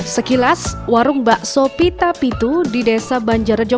sekilas warung bakso pita pitu di desa banjarjo